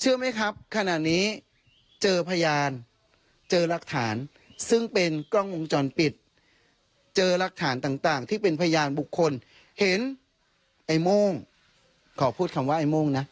เชื่อไหมครับขณะนี้เจอพยานเจอรักฐานซึ่งเป็นกล้องวงจรปิดเจอรักฐานต่างที่เป็นพยานบุคคลเห็นไอ้โม่งขอพูดคำว่าไอ้โม่งนะ